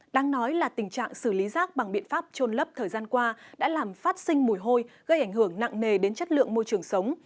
đáng nói là tình trạng xử lý rác bằng biện pháp trôn lấp thời gian qua đã làm phát sinh mùi hôi gây ảnh hưởng nặng nề đến chất lượng môi trường sống